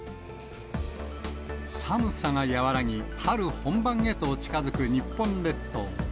寒さが和らぎ、春本番へと近づく日本列島。